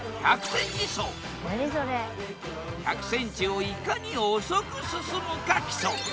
１００ｃｍをいかに遅く進むか競う。